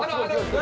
何？